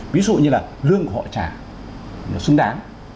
ví dụ như là lương của họ trả nó xứng đáng